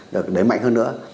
được đẩy mạnh hơn nữa